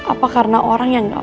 apa karena orang yang